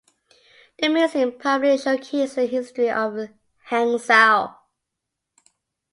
The museum primarily showcases the history of Hangzhou.